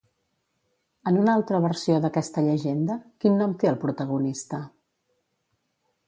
En una altra versió d'aquesta llegenda, quin nom té el protagonista?